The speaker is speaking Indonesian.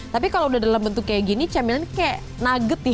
tapi kalau udah dalam bentuk kayak gini cemilan kayak nugget ya